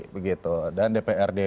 begitu dan dprd